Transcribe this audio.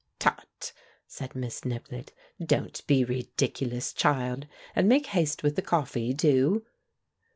"Tut," said Miss Niblett. "Don't be ridicu lous, child, and make haste with the coffee, do!"